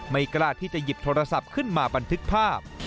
กล้าที่จะหยิบโทรศัพท์ขึ้นมาบันทึกภาพ